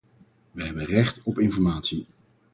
Wij hebben recht op informatie.